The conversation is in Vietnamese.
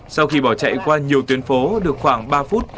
sau khi bỏ chạy qua nhiều tuyến phố được khoảng ba phút